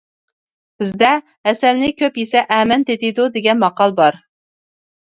بىزدە «ھەسەلنى كۆپ يېسە ئەمەن تېتىيدۇ» دېگەن ماقال بار.